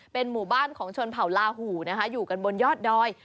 เป็นหมู่บ้านของชนเผ่าลาหูนะคะอยู่กันบนยอดดอย